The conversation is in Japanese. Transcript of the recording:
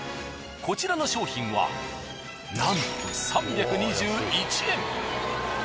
こちらの商品はなんと３２１円。